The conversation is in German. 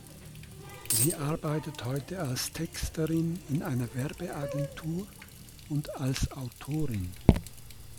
Sie arbeitet heute als Texterin in einer Werbeagentur und als Autorin.